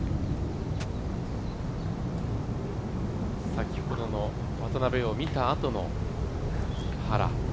先ほどの渡邉を見たあとの原。